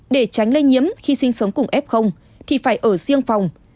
để tránh lây nhiễm khi sinh sống cùng f thì phải ở riêng phòng